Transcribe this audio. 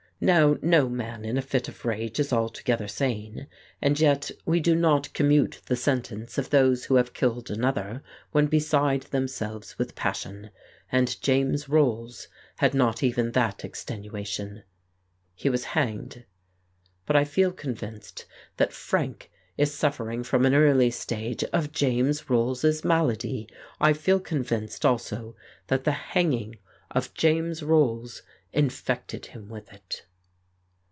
"Now no man in a fit of rage is altogether sane, and yet we do not commute the sentence of those who have killed another when beside themselves with passion, and James Rolls had not even that extenua tion. He was hanged. ... But I feel convinced that Frank is suffering from an early stage of James Rolls's malady; I feel convinced also that the hang ing of James Rolls infected him with it."